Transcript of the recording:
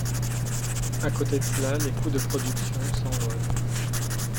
À côté de cela les coûts de productions s'envolent.